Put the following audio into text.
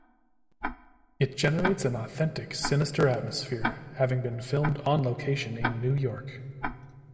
It generates an authentic sinister atmosphere, having been filmed on location in New York.